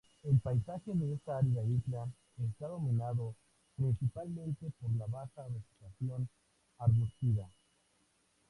El paisaje de esta árida isla está dominado principalmente por la baja vegetación arbustiva.